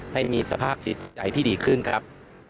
ให้มีสภาพจิตใจที่ดีขึ้นครับ